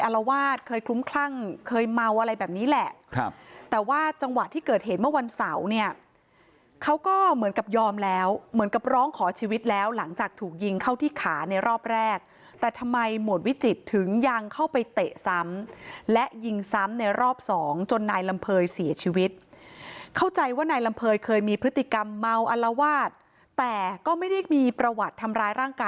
ลุ้มคลั่งเคยเมาอะไรแบบนี้แหละครับแต่ว่าจังหวะที่เกิดเห็นเมื่อวันเสาร์เนี่ยเขาก็เหมือนกับยอมแล้วเหมือนกับร้องขอชีวิตแล้วหลังจากถูกยิงเข้าที่ขาในรอบแรกแต่ทำไมหมวดวิจิตรถึงยังเข้าไปเตะซ้ำและยิงซ้ำในรอบสองจนนายลำเภยเสียชีวิตเข้าใจว่านายลำเภยเคยมีพฤติกรร